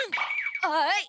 はい！